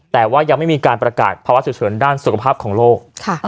แต่ว่ายังไม่มีการประกาศภาวะฉุกเฉินด้านสุขภาพของโลก